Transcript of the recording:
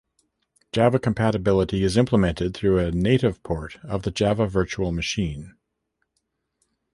Java compatibility is implemented through a native port of the Java virtual machine.